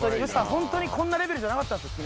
ホントにこんなレベルじゃなかったんすよ